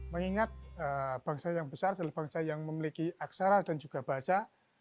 mengingat bangsa yang besar adalah bangsa yang memiliki aksara dan juga bahasa